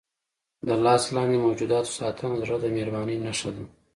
د لاس لاندې موجوداتو ساتنه د زړه د مهربانۍ نښه ده.